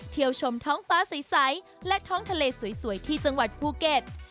ชมท้องฟ้าใสและท้องทะเลสวยที่จังหวัดภูเก็ต